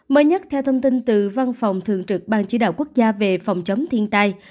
mới nhất theo thông tin từ văn phòng thường trực ban chỉ đạo quốc gia về phòng chống thiên tai